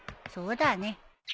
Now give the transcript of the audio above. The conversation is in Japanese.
そうだね。